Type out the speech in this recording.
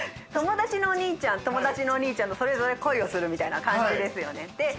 友達のお兄ちゃん友達のお兄ちゃんとそれぞれ恋をするみたいな感じですよね。